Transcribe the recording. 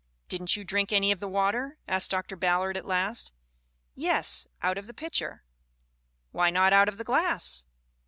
"'Didn't you drink any of the water?' asked Dr. Ballard at last. " 'Yes, out of the pitcher/ " 'Why not out of the glass?'